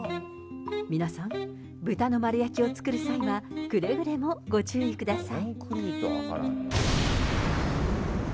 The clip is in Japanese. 皆さん、豚の丸焼きを作る際は、くれぐれもご注意ください。